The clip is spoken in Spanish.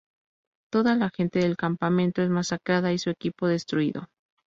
Toda la gente del campamento es masacrada y su equipo destruido.